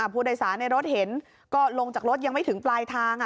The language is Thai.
ผู้โดยสารในรถเห็นก็ลงจากรถยังไม่ถึงปลายทาง